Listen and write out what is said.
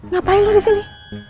napain lo disini